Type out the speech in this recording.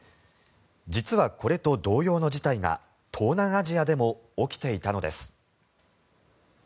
実はこれと同様の事態が東南アジアでも起きていたのです。